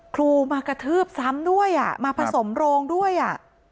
ครูมากระทืบซ้ำด้วยอ่ะมาผสมโรงด้วยอ่ะ